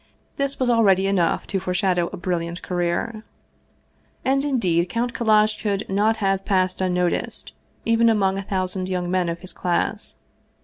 This was already enough to foreshadow a brilliant career. And indeed Count Kallash could not have passed un noticed, even among a thousand young men of his class.